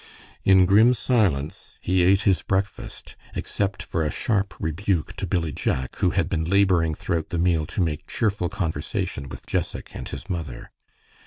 In grim silence he ate his breakfast, except for a sharp rebuke to Billy Jack, who had been laboring throughout the meal to make cheerful conversation with Jessac and his mother.